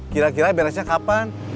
kira kira beresnya kapan